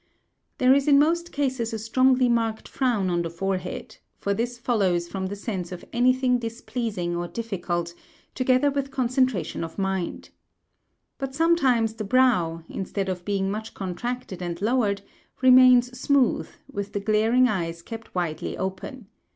There is in most cases a strongly marked frown on the forehead; for this follows from the sense of anything displeasing or difficult, together with concentration of mind. But sometimes the brow, instead of being much contracted and lowered, remains smooth, with the glaring eyes kept widely open.